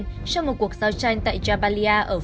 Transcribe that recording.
trong một cuộc giao tranh tại israel